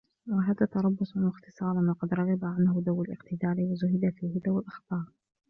وَهَذَا تَرَبُّصٌ وَاخْتِصَارٌ وَقَدْ رَغِبَ عَنْهُ ذَوُو الِاقْتِدَارِ وَزَهِدَ فِيهِ ذَوُو الْأَخْطَارِ